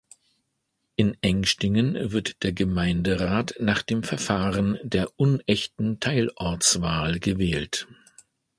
In Engstingen wird der Gemeinderat nach dem Verfahren der unechten Teilortswahl gewählt.